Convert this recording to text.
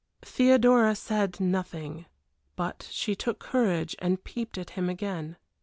Theodora said nothing; but she took courage and peeped at him again.